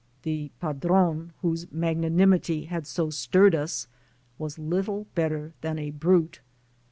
The "padrone" whose magnanimity had so stirred us was little better than a brute.